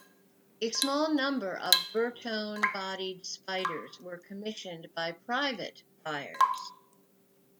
A small number of Bertone bodied spiders were commissioned by private buyers.